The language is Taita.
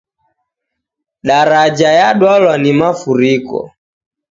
Jaraja yadwala ni mafuriko